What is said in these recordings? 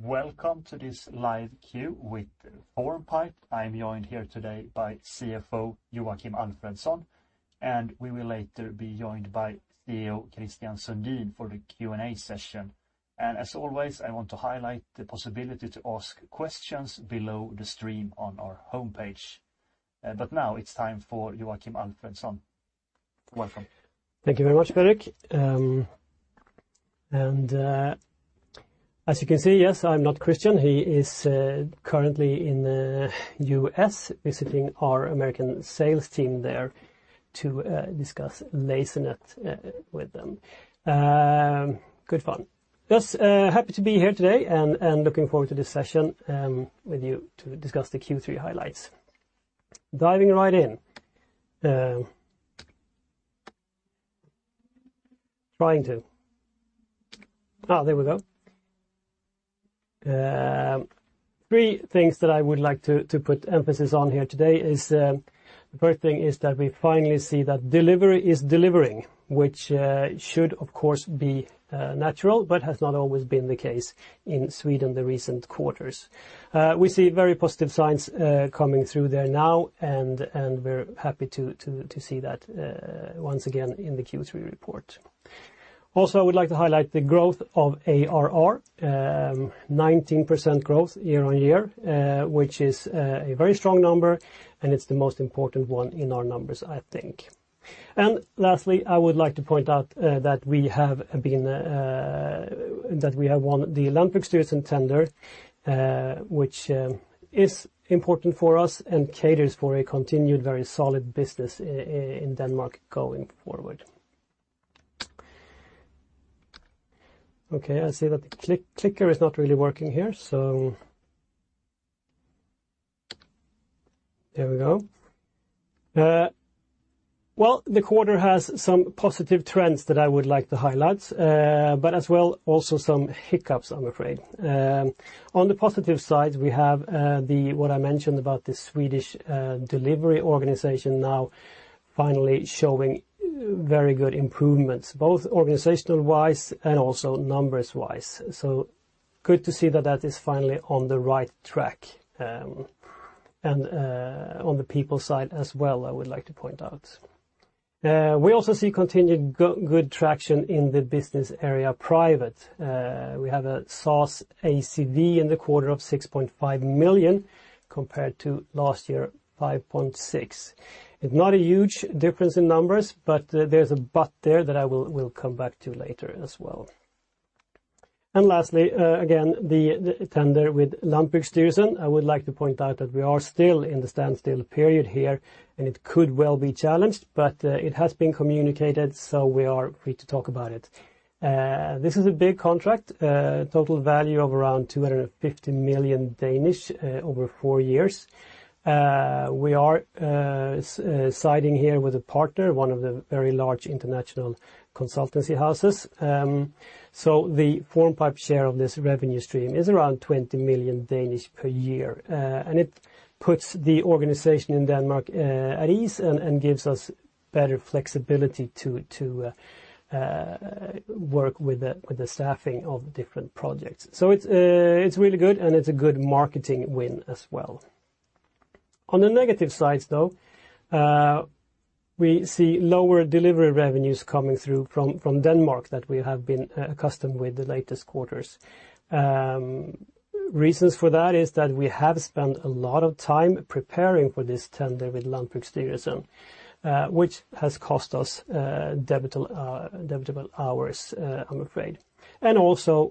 Welcome to this live queue with FormPipe. I'm joined here today by CFO Joakim Alfredson, and we will later be joined by CEO Christian Sundin for the Q&A session. As always, I want to highlight the possibility to ask questions below the stream on our homepage. But now it's time for Joakim Alfredson. Welcome. Thank you very much, Patrick. As you can see, yes, I'm not Christian. He is currently in the US, visiting our American sales team there to discuss Lasernet with them. Good fun. Just happy to be here today and looking forward to this session with you to discuss the Q3 highlights. Diving right in. Three things that I would like to put emphasis on here today is the first thing is that we finally see that delivery is delivering, which should of course be natural, but has not always been the case in Sweden, the recent quarters. We see very positive signs coming through there now and we're happy to see that once again in the Q3 report. I would like to highlight the growth of ARR, 19% growth year-on-year, which is a very strong number, and it's the most important one in our numbers, I think. Lastly, I would like to point out that we have won the Landbrugsstyrelsen tender, which is important for us and caters for a continued very solid business in Denmark going forward. Okay, I see that the clicker is not really working here, so. There we go. Well, the quarter has some positive trends that I would like to highlight, but as well, also some hiccups, I'm afraid. On the positive side, we have what I mentioned about the Swedish delivery organization now finally showing very good improvements, both organizational-wise and also numbers-wise. Good to see that is finally on the right track. On the people side as well, I would like to point out. We also see continued good traction in the business area private. We have a SaaS ACV in the quarter of 6.5 million compared to last year, 5.6 million. It's not a huge difference in numbers, but there is a but there that I will come back to later as well. Lastly, again, the tender with Landbrugsstyrelsen, I would like to point out that we are still in the standstill period here and it could well be challenged, but it has been communicated, so we are free to talk about it. This is a big contract, total value of around 250 million over four years. We are siding here with a partner, one of the very large international consultancy houses. The Formpipe share of this revenue stream is around 20 million per year. It puts the organization in Denmark at ease and gives us better flexibility to work with the staffing of different projects. It's really good, and it's a good marketing win as well. On the negative side, though, we see lower delivery revenues coming through from Denmark that we have been accustomed with the latest quarters. Reasons for that is that we have spent a lot of time preparing for this tender with Landbrugsstyrelsen, which has cost us billable hours, I'm afraid.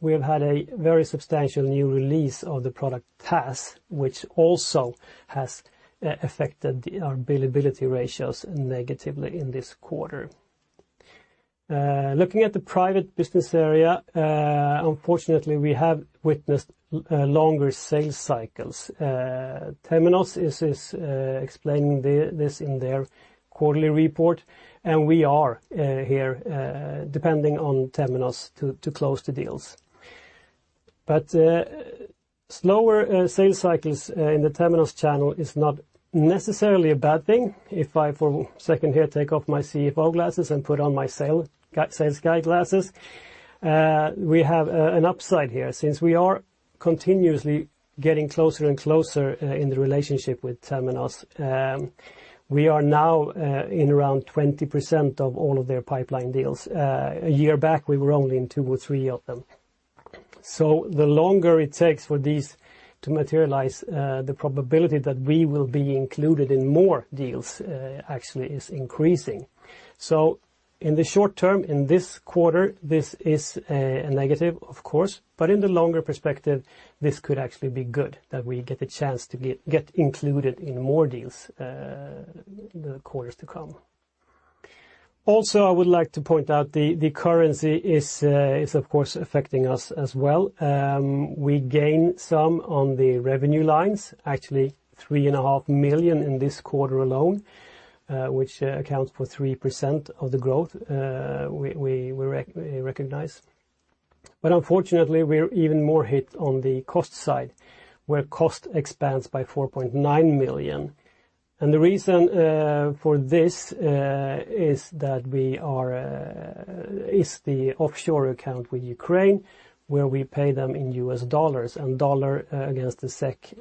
We have had a very substantial new release of the product TAS, which also has affected our billability ratios negatively in this quarter. Looking at the private business area, unfortunately, we have witnessed longer sales cycles. Temenos is explaining this in their quarterly report, and we are here depending on Temenos to close the deals. Slower sales cycles in the Temenos channel is not necessarily a bad thing. If I for a second here take off my CFO glasses and put on my sales guy glasses, we have an upside here. Since we are continuously getting closer and closer in the relationship with Temenos, we are now in around 20% of all of their pipeline deals. A year back, we were only in two or three of them. The longer it takes for these to materialize, the probability that we will be included in more deals actually is increasing. In the short term, in this quarter, this is a negative, of course, but in the longer perspective, this could actually be good that we get the chance to get included in more deals, the quarters to come. Also, I would like to point out the currency is of course affecting us as well. We gain some on the revenue lines, actually 3.5 million in this quarter alone, which accounts for 3% of the growth we recognize. Unfortunately, we're even more hit on the cost side, where cost expands by 4.9 million. The reason for this is the offshore account with Ukraine, where we pay them in US dollars and the dollar against the SEK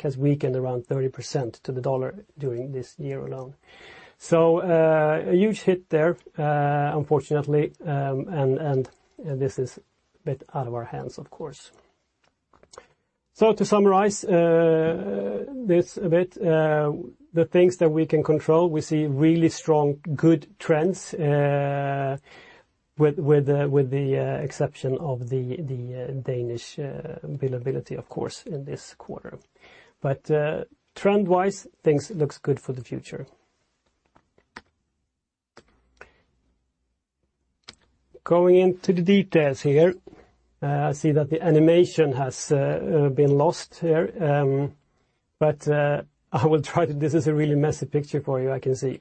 has weakened around 30% to the dollar during this year alone. A huge hit there, unfortunately, and this is a bit out of our hands, of course. To summarize this a bit, the things that we can control, we see really strong, good trends, with the exception of the Danish billability, of course, in this quarter. Trend-wise, things looks good for the future. Going into the details here, I see that the animation has been lost here. This is a really messy picture for you, I can see.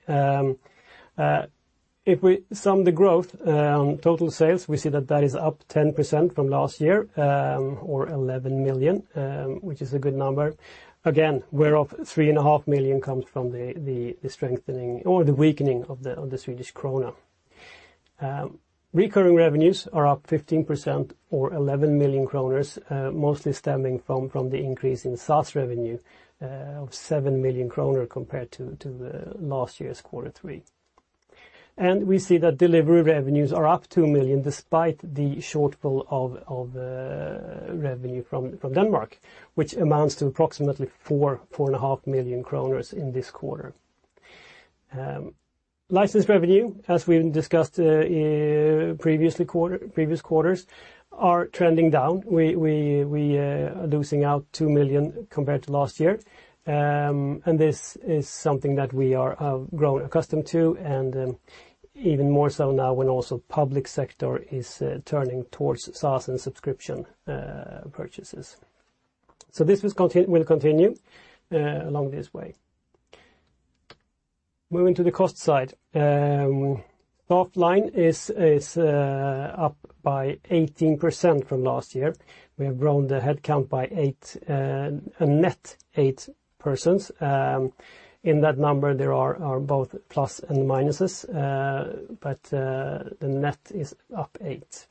If we sum the growth, total sales, we see that is up 10% from last year, or 11 million, which is a good number. Again, whereof 3.5 million comes from the strengthening or the weakening of the Swedish krona. Recurring revenues are up 15% or 11 million kronor, mostly stemming from the increase in SaaS revenue of 7 million kronor compared to last year's quarter three. We see that delivery revenues are up 2 million despite the shortfall of revenue from Denmark, which amounts to approximately four and a half million kronors in this quarter. License revenue, as we discussed in previous quarters, are trending down. We are losing 2 million compared to last year. This is something that we have grown accustomed to, and even more so now when also public sector is turning towards SaaS and subscription purchases. This will continue along this way. Moving to the cost side. Staff line is up by 18% from last year. We have grown the headcount by a net 8 persons. In that number, there are both pluses and minuses, but the net is up 8.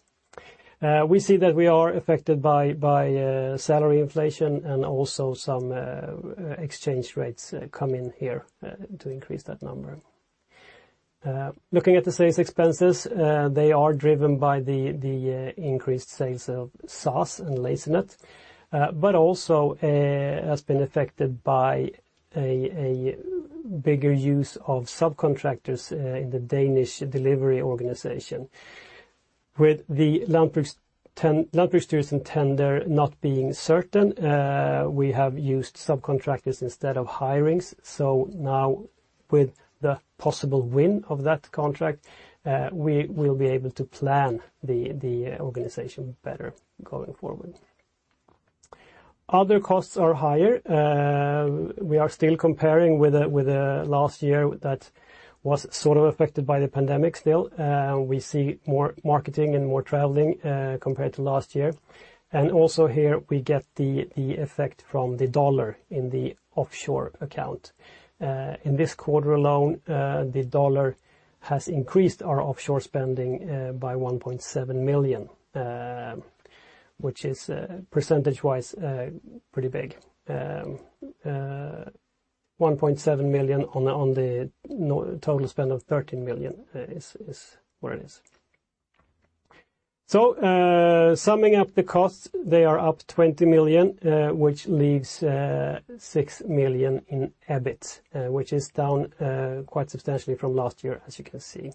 We see that we are affected by salary inflation and also some exchange rates come in here to increase that number. Looking at the sales expenses, they are driven by the increased sales of SaaS and Lasernet, but also has been affected by a bigger use of subcontractors in the Danish delivery organization. With the Landbrugsstyrelsen tender not being certain, we have used subcontractors instead of hirings. Now with the possible win of that contract, we will be able to plan the organization better going forward. Other costs are higher. We are still comparing with last year that was sort of affected by the pandemic still. We see more marketing and more traveling compared to last year. Also here, we get the effect from the dollar in the offshore account. In this quarter alone, the dollar has increased our offshore spending by 1.7 million, which is, percentage-wise, pretty big. One 1.7 million on the total spend of 13 million is what it is. Summing up the costs, they are up 20 million, which leaves 6 million in EBIT, which is down quite substantially from last year, as you can see.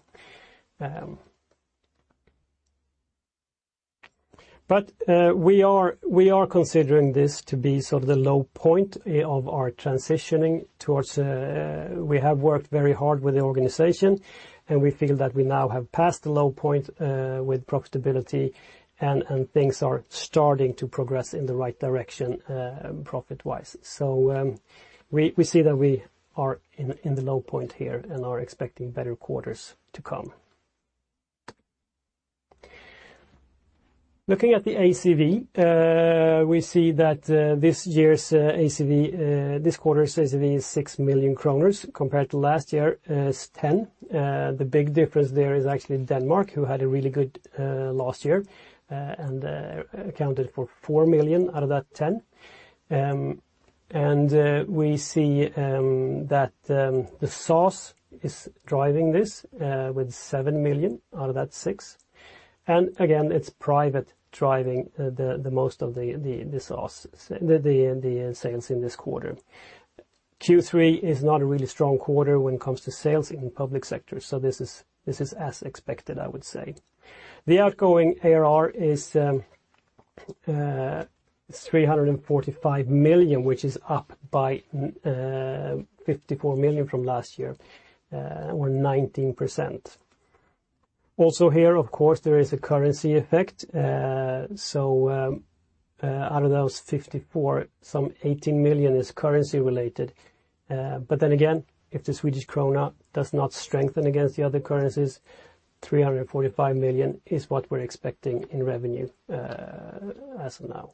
We are considering this to be sort of the low point of our transitioning towards. We have worked very hard with the organization, and we feel that we now have passed the low point with profitability and things are starting to progress in the right direction, profit-wise. We see that we are in the low point here and are expecting better quarters to come. Looking at the ACV, we see that this year's ACV, this quarter's ACV is 6 million kronor compared to last year is 10. The big difference there is actually Denmark, who had a really good last year and accounted for 4 million out of that 10. We see that the SaaS is driving this with 7 million out of that 6. Again, it's private driving the most of the SaaS sales in this quarter. Q3 is not a really strong quarter when it comes to sales in public sector. This is as expected, I would say. The outgoing ARR is 345 million, which is up by 54 million from last year, or 19%. Also here, of course, there is a currency effect. Out of those 54, some 18 million is currency related. If the Swedish krona does not strengthen against the other currencies, 345 million is what we're expecting in revenue, as of now.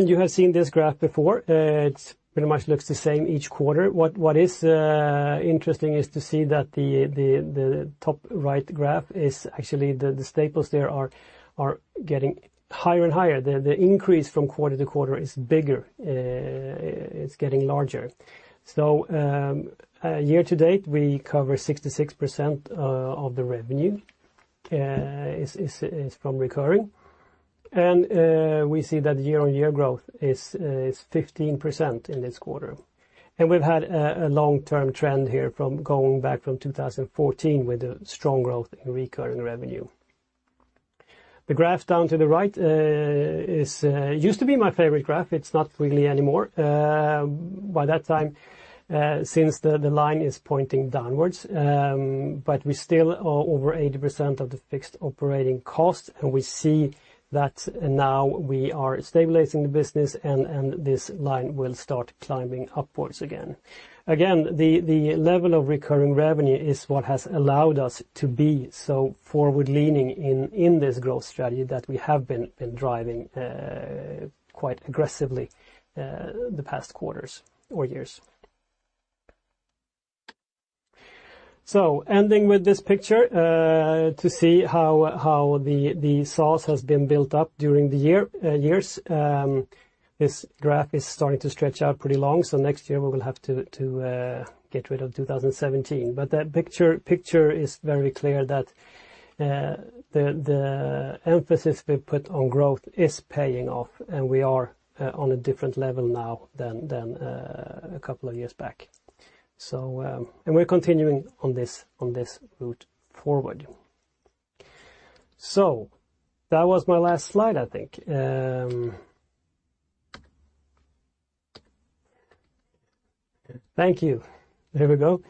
You have seen this graph before. It pretty much looks the same each quarter. What is interesting is to see that the top right graph is actually the staples there are getting higher and higher. The increase from quarter to quarter is bigger. It's getting larger. Year to date, we cover 66% of the revenue is from recurring. We see that year-on-year growth is 15% in this quarter. We've had a long-term trend here from going back from 2014 with a strong growth in recurring revenue. The graph down to the right is used to be my favorite graph. It's not really anymore by that time since the line is pointing downwards. We still are over 80% of the fixed operating costs, and we see that now we are stabilizing the business and this line will start climbing upwards again. Again, the level of recurring revenue is what has allowed us to be so forward-leaning in this growth strategy that we have been driving quite aggressively the past quarters or years. Ending with this picture to see how the SaaS has been built up during the years, this graph is starting to stretch out pretty long, so next year we will have to get rid of 2017. The picture is very clear that the emphasis we put on growth is paying off, and we are on a different level now than a couple of years back. We're continuing on this route forward. That was my last slide, I think. Thank you. There we go.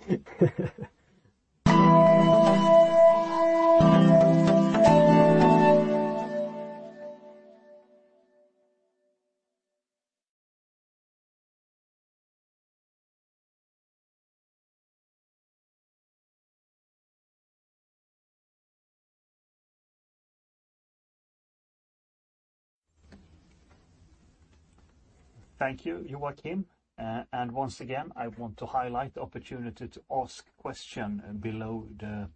Thank you, Joakim. Once again, I want to highlight the opportunity to ask question below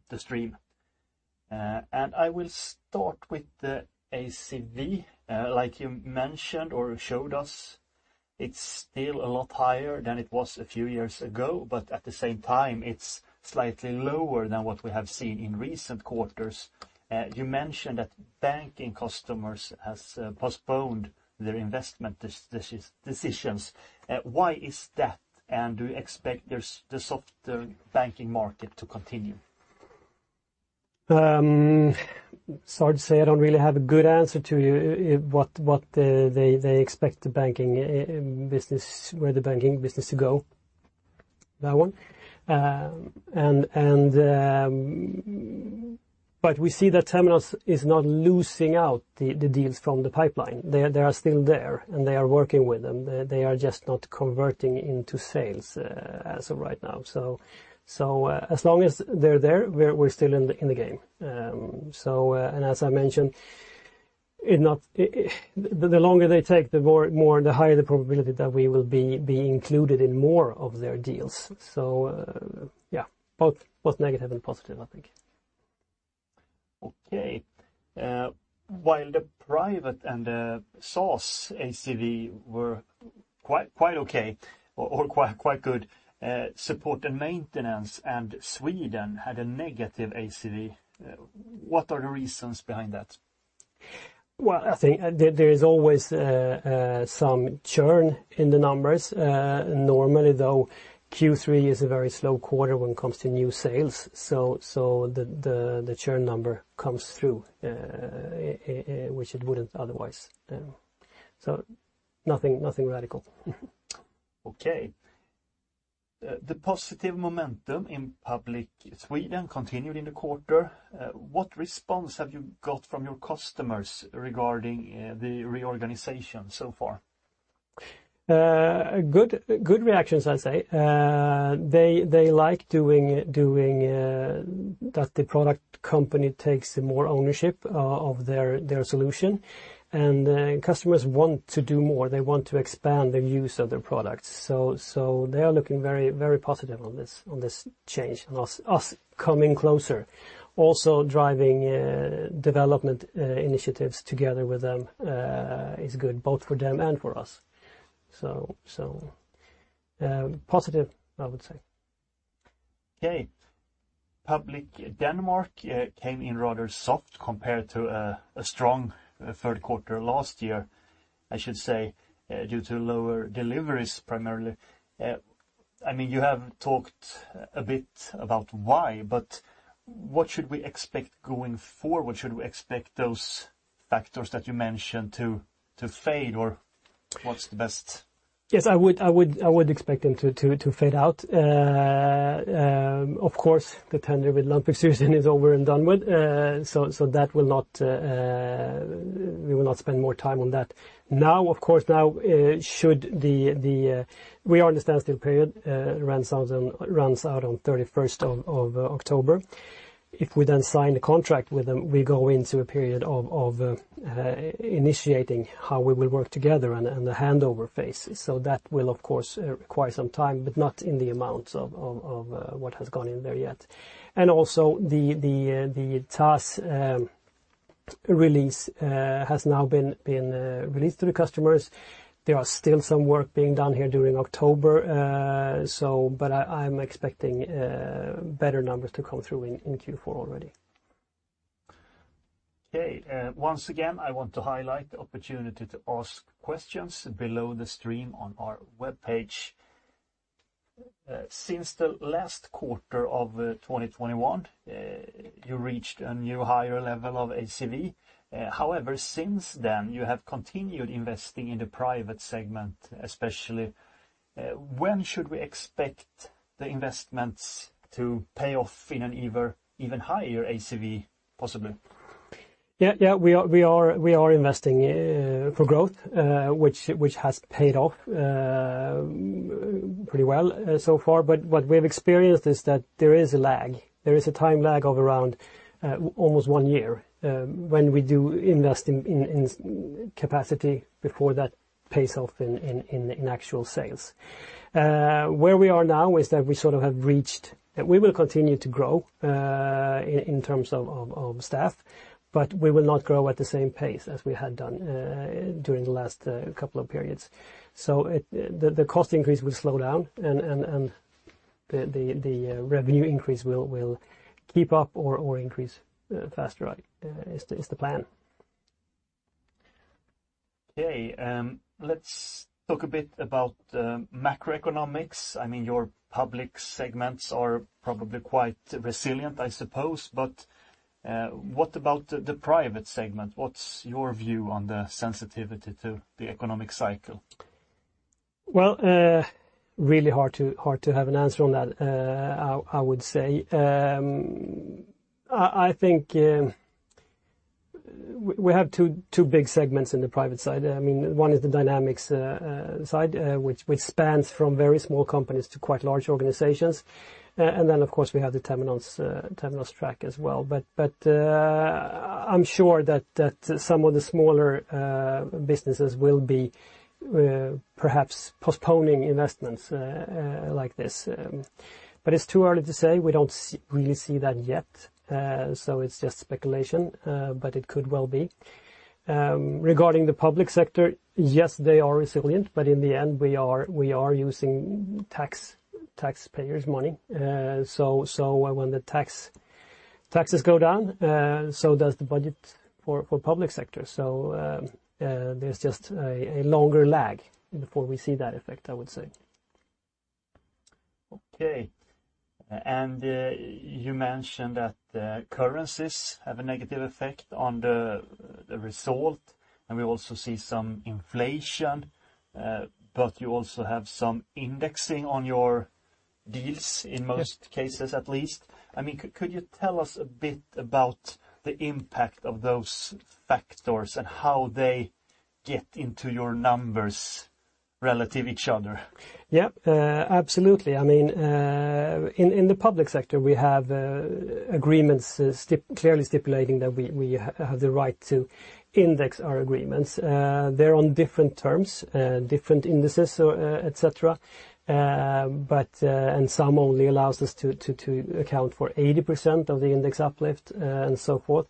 the stream. I will start with the ACV, like you mentioned or showed us, it's still a lot higher than it was a few years ago, but at the same time, it's slightly lower than what we have seen in recent quarters. You mentioned that banking customers have postponed their investment decisions. Why is that? And do you expect the softer banking market to continue? Sorry to say, I don't really have a good answer to what they expect the banking business to go. That one. But we see that Temenos is not losing out on the deals from the pipeline. They are still there, and they are working with them. They are just not converting into sales as of right now. As long as they're there, we're still in the game. As I mentioned, the longer they take, the higher the probability that we will be included in more of their deals. Yeah, both negative and positive, I think. Okay, while the private and SaaS ACV were quite okay or quite good, support and maintenance, and Sweden had a negative ACV, what are the reasons behind that? Well, I think there is always some churn in the numbers. Normally, though, Q3 is a very slow quarter when it comes to new sales, so the churn number comes through, which it wouldn't otherwise. Nothing radical. Okay. The positive momentum in public Sweden continued in the quarter. What response have you got from your customers regarding the reorganization so far? Good reactions, I'd say. They like doing that the product company takes more ownership of their solution. Customers want to do more. They want to expand the use of their products. Positive, I would say. Okay. Public Denmark came in rather soft compared to a strong third quarter last year, I should say, due to lower deliveries, primarily. I mean, you have talked a bit about why, but what should we expect going forward? Should we expect those factors that you mentioned to fade or what's the best? Yes, I would expect them to fade out. Of course, the tender with Landbrugsstyrelsen is over and done with. So that will not, we will not spend more time on that. Now, of course, should the standstill period run out on thirty-first of October. If we then sign the contract with them, we go into a period of initiating how we will work together and the handover phase. That will of course require some time, but not in the amounts of what has gone in there yet. Also the TAS release has now been released to the customers. There are still some work being done here during October, but I'm expecting better numbers to come through in Q4 already. Okay. Once again, I want to highlight the opportunity to ask questions below the stream on our webpage. Since the last quarter of 2021, you reached a new higher level of ACV. However, since then you have continued investing in the private segment, especially. When should we expect the investments to pay off in an even higher ACV possibly? Yeah. We are investing for growth, which has paid off pretty well so far. What we have experienced is that there is a lag. There is a time lag of around almost one year when we do invest in capacity before that pays off in actual sales. Where we are now is that we sort of have reached. We will continue to grow in terms of staff, but we will not grow at the same pace as we had done during the last couple of periods. The cost increase will slow down and the revenue increase will keep up or increase faster is the plan. Okay, let's talk a bit about macroeconomics. I mean, your public segments are probably quite resilient, I suppose. What about the private segment? What's your view on the sensitivity to the economic cycle? Well, really hard to have an answer on that, I would say. I think we have two big segments in the private side. I mean, one is the Dynamics side, which spans from very small companies to quite large organizations. Of course we have the Temenos track as well. I'm sure that some of the smaller businesses will be perhaps postponing investments like this. It's too early to say. We don't really see that yet. It's just speculation, but it could well be. Regarding the public sector, yes, they are resilient, but in the end, we are using taxpayers' money. When taxes go down, so does the budget for public sector. There's just a longer lag before we see that effect, I would say. Okay. You mentioned that currencies have a negative effect on the result, and we also see some inflation, but you also have some indexing on your deals. Yes In most cases at least. I mean, could you tell us a bit about the impact of those factors and how they get into your numbers relative to each other? Yeah, absolutely. I mean, in the public sector, we have agreements clearly stipulating that we have the right to index our agreements. They're on different terms, different indices, so, etc. And some only allows us to account for 80% of the index uplift, and so forth.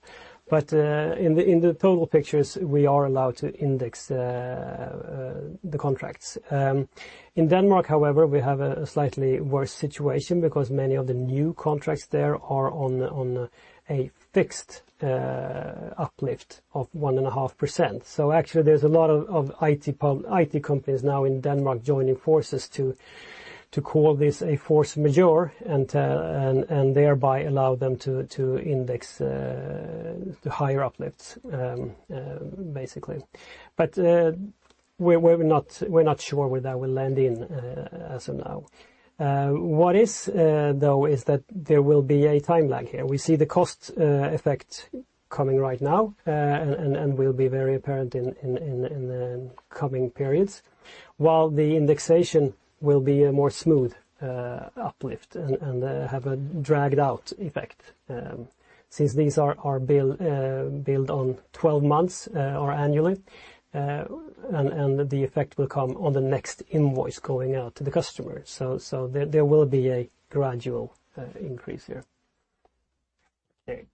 In the total picture, we are allowed to index the contracts. In Denmark, however, we have a slightly worse situation because many of the new contracts there are on a fixed uplift of 1.5%. Actually, there's a lot of IT companies now in Denmark joining forces to call this a force majeure and thereby allow them to index to higher uplifts, basically. We're not sure where that will land in as of now. What is, though, is that there will be a time lag here. We see the cost effect coming right now, and will be very apparent in the coming periods, while the indexation will be a more smooth uplift and have a dragged out effect. Since these are billed on 12 months or annually, and the effect will come on the next invoice going out to the customer. There will be a gradual increase here. Okay.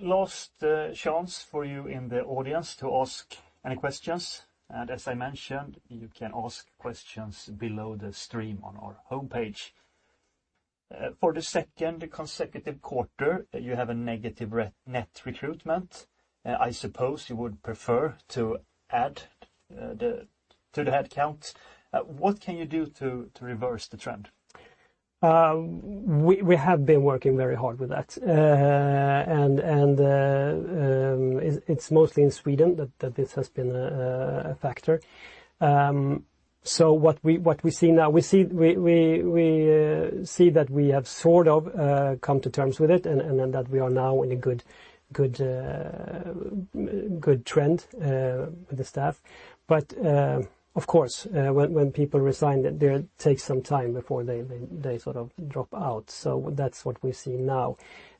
Last chance for you in the audience to ask any questions, and as I mentioned, you can ask questions below the stream on our homepage. For the second consecutive quarter, you have a negative net recruitment. I suppose you would prefer to add to the headcount. What can you do to reverse the trend? We have been working very hard with that. It's mostly in Sweden that this has been a factor. What we see now, we see that we have sort of come to terms with it and that we are now in a good trend with the staff. Of course, when people resign, it does take some time before they sort of drop out. That's what we see now.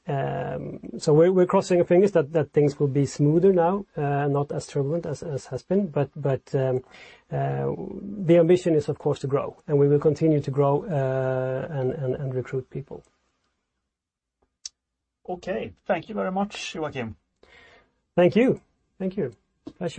We're crossing our fingers that things will be smoother now, not as turbulent as has been. The ambition is of course to grow, and we will continue to grow and recruit people. Okay. Thank you very much, Joakim. Thank you. Pleasure.